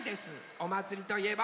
おまつりといえば！